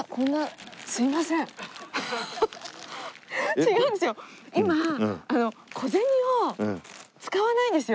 違うんですよ。